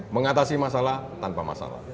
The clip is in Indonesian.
mengatasi masalah tanpa masalah